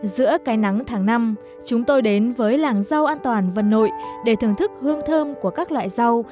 giữa cái nắng tháng năm chúng tôi đến với làng rau an toàn vân nội để thưởng thức hương thơm của các loại rau